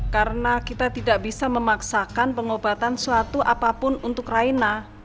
karena kita tidak bisa memaksakan pengobatan suatu apapun untuk raina